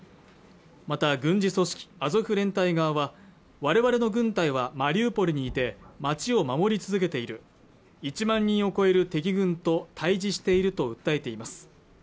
また軍事組織アゾフ連隊側は我々の軍隊はマリウポリにいて町を守り続けている１万人を超える敵軍と対峙していると訴えています